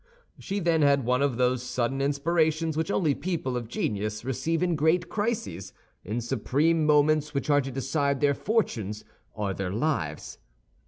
She then had one of those sudden inspirations which only people of genius receive in great crises, in supreme moments which are to decide their fortunes or their lives.